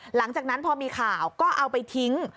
หลังจากนั้นพอมีข่าวก็เอาไปทิ้ง